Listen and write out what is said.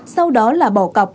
sau đó là bỏ bỏ